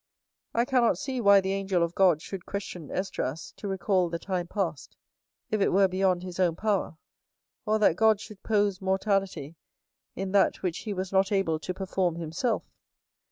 I cannot see why the angel of God should question Esdras to recall the time past, if it were beyond his own power; or that God should pose mortality in that which he was not able to perform himself.